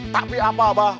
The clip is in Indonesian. tapi apa abah